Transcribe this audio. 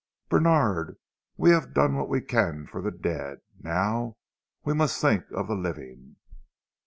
"Bènard, we have done what we can for the dead; now we must think of the living."